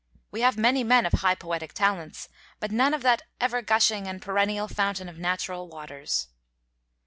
We have many men of high poetic talents, but none of that ever gushing and perennial fountain of natural waters."